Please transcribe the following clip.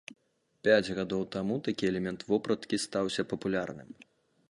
Пяць гадоў таму такі элемент вопраткі стаўся папулярным.